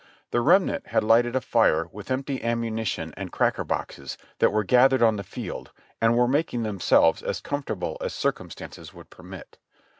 The remnant had lighted a fire with empty ammunition and cracker boxes that were gathered on the field, and were making themselves as comfortable as circumstances would permit.